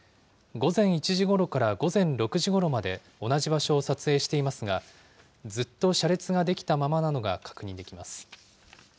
午前１時ごろから午前６時ごろまで、同じ場所を撮影していますが、ずっと車列が出来たままなのが確認できます。